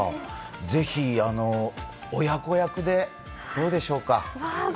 ぜひ親子役で、どうでしょうか。